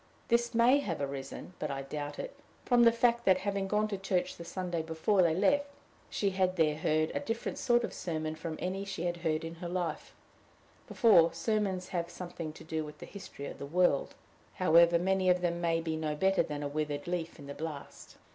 This may have arisen but I doubt it from the fact that, having gone to church the Sunday before they left, she had there heard a different sort of sermon from any she had heard in her life before: sermons have something to do with the history of the world, however many of them may be no better than a withered leaf in the blast.